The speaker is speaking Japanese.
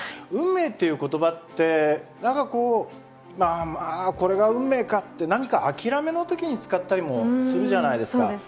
運命っていう言葉って何かこう「まあこれが運命か」って何か諦めの時に使ったりもするじゃないですか。